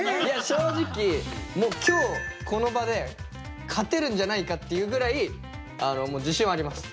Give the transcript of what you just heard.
正直もう今日この場で勝てるんじゃないかっていうぐらい自信はあります。